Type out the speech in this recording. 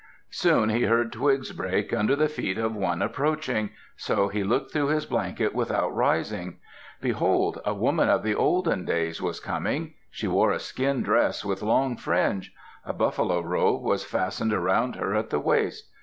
Soon he heard twigs break under the feet of one approaching, so he looked through his blanket without rising. Behold, a woman of the olden days was coming. She wore a skin dress with long fringe. A buffalo robe was fastened around her at the waist.